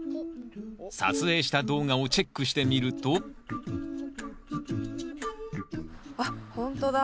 撮影した動画をチェックしてみるとあっほんとだ。